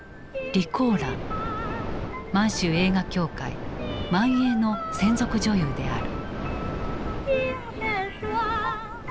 満州映画協会満映の専属女優である。